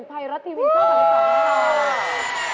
ไทยรัฐทีวีเชิญกับพี่ค่ะ